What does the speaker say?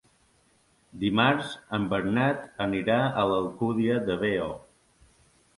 Dimarts en Bernat anirà a l'Alcúdia de Veo.